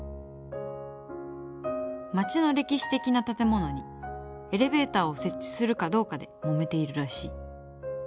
町の歴史的な建物にエレベーターを設置するかどうかでもめているらしい。